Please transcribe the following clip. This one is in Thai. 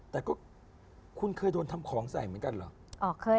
แต่ก็คุณเคยโดนทำของใส่เหมือนกันเหรอ